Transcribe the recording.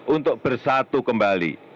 untuk bersatu kembali